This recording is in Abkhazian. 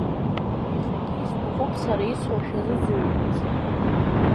Иахьагьы исҭахуп сара исҳәо шәазыӡҩрц.